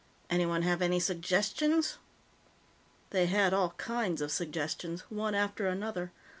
Anyone have any suggestions?" They had all kinds of suggestions, one after another.